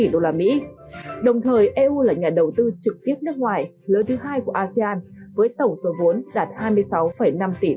đồng eu là nhà đầu tư trực tiếp nước ngoài lớn thứ hai của asean với tổng số vốn đạt hai mươi sáu năm tỷ usd